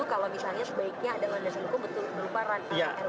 kalau misalnya sebaiknya ada landasan hukum